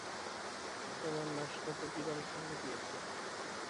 তোমার নাশতা তো বিড়াল ফেলে দিয়েছে।